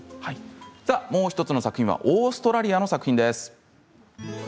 もう１つはオーストラリアの作品です。